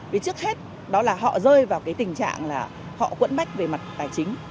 vì trước hết đó là họ rơi vào cái tình trạng là họ quẫn bách về mặt tài chính